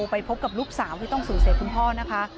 ไปพบกับลูกสาวที่ต้องสูญเสียคุณพ่อนะคะ